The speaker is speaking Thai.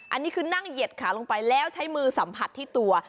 อันนี้คือนั่งเหยียดขาลงไปแล้วใช้มือสัมผัสที่ตัว